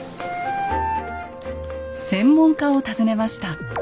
専門家を訪ねました。